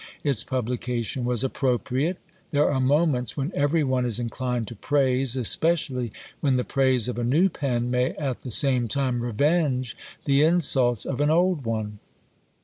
Its publication was appropriate. There are moments when every one is inclined to praise, especially when the praise of a new pen may at the same time revenge the insults of an old one.